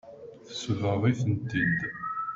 Nesbeɣ-itent-id.